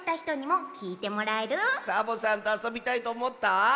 サボさんとあそびたいとおもった？